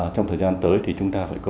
trong thời gian tới thì chúng ta phải có